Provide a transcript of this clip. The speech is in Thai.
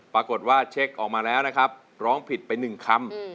ปรากฏว่าเช็คออกมาแล้วนะครับร้องผิดไป๑คำ